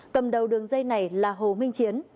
cầm đầu đường dây này là hồ minh chiến